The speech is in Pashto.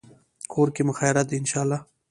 کور کې مو خیریت دی، ان شاءالله